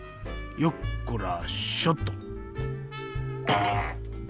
よっこらしょっと。